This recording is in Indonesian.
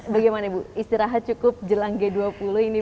bagaimana ibu istirahat cukup jelang g dua puluh ini